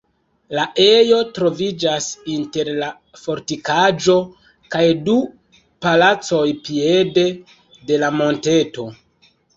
La ejo troviĝas inter la fortikaĵo kaj du palacoj piede de la monteto.